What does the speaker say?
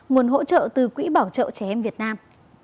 nguồn hỗ trợ từ quỹ bảo trợ trẻ em việt nam